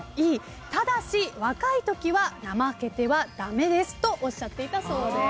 「ただし若いときは怠けては駄目です」とおっしゃっていたそうです。